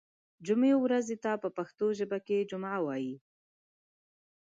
جمعې ورځې ته په پښتو ژبه کې جمعه وایی